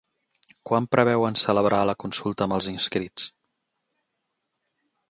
Quan preveuen celebrar la consulta amb els inscrits?